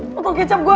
botol kecap gua